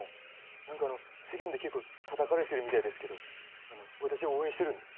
何か世間で結構たたかれてるみたいですけど私応援してるんで。